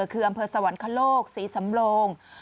คืออำเภอสวรรคโลกศรีสำโลง